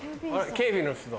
警備の人だ。